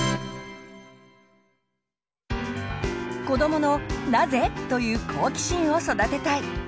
子どもの「なぜ？」という好奇心を育てたい！